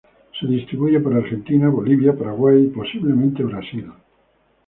Se distribuye por Argentina, Bolivia, Paraguay y, posiblemente, Brasil.